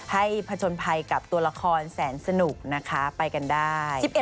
ให้ผจญภัยกับตัวละครแสนสนุกนะคะไปกันได้